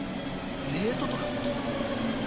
レートとかってどうなってんすか？